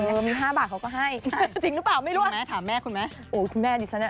เออมี๕บาทเขาก็ให้จริงหรือเปล่าไม่รู้อะโอ้คุณแม่ดิฉันอ่ะ